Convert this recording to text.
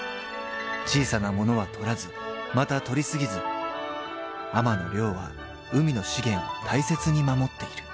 ［小さなものは採らずまた採り過ぎず海女の漁は海の資源を大切に守っている］